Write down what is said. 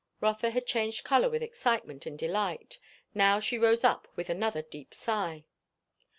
Rotha had changed colour with excitement and delight; now she rose up with another deep sigh.